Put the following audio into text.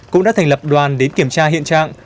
cũng đã thành lập đoàn đến kiểm tra hiện trạng